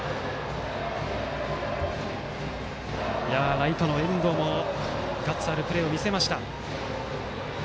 ライトの遠藤もガッツあるプレーを見せました。